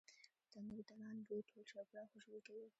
تنوردنان بوی ټول چاپیریال خوشبویه کوي.